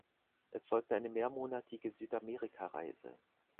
Es folgte eine mehrmonatige Südamerikareise.